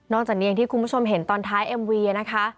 จากนี้อย่างที่คุณผู้ชมเห็นตอนท้ายเอ็มวีนะคะ